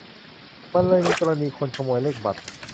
มันเลยมีกรณีคนขโมยเลขบัตร